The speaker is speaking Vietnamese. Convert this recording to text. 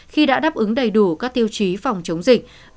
khi đã đáp ứng đầy đủ các tiêu chí phòng chống dịch